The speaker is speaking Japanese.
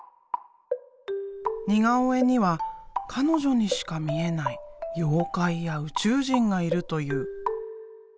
似顔絵には彼女にしか見えない妖怪や宇宙人がいるという。